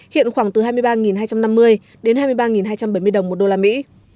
hiện khoảng từ hai mươi ba hai trăm năm mươi đến hai mươi ba hai trăm bảy mươi đồng một đô la mỹ